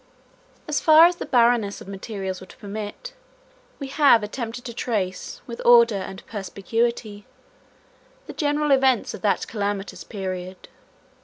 As far as the barrenness of materials would permit, we have attempted to trace, with order and perspicuity, the general events of that calamitous period.